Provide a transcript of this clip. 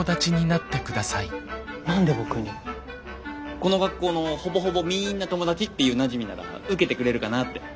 この学校のほぼほぼみんな友達っていうなじみなら受けてくれるかなって。